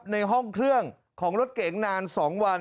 ในห้องเครื่องของรถเก๋งนาน๒วัน